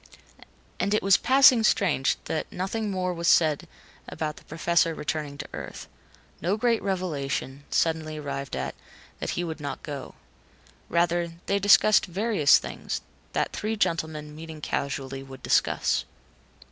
And it was passing strange that nothing more was said about the Professor returning to Earth. No great revelation, suddenly arrived at, that he would not go. Rather, they discussed various things, that three gentlemen, meeting casually, would discuss.